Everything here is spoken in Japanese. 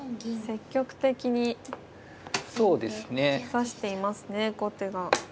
積極的に指していますね後手が。